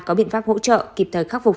có biện pháp hỗ trợ kịp thời khắc phục